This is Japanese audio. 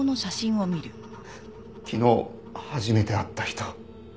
昨日初めて会った人。